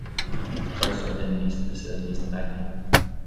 Chrysler then leased the facilities to Magna.